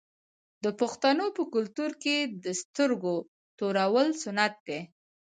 د پښتنو په کلتور کې د سترګو تورول سنت دي.